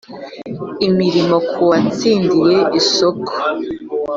imirimo k uwatsindiye isoko